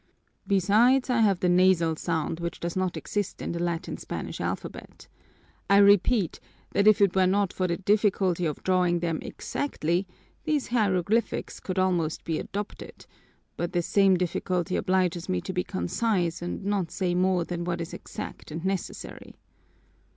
Besides, I have the nasal sound which does not exist in the Latin Spanish alphabet. I repeat that if it were not for the difficulty of drawing them exactly, these hieroglyphics could almost be adopted, but this same difficulty obliges me to be concise and not say more than what is exact and necessary.